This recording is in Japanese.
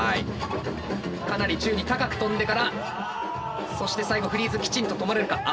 かなり宙に高く跳んでからそして最後フリーズきちんと止まれるかあ。